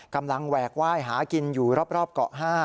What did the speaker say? กำลังแวกว่ายหากินอยู่รอบเกาะ๕